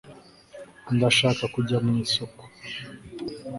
ndashaka kujya mu isoko